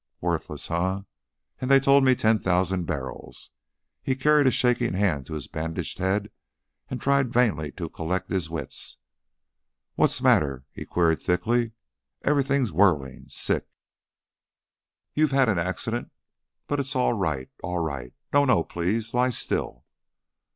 "Worthless, eh? And they told me ten thousand barrels." He carried a shaking hand to his bandaged head and tried vainly to collect his wits. "What's matter?" he queried, thickly. "Everything whirling sick " "You had an accident, but it's all right; all right No, no! Please lie still."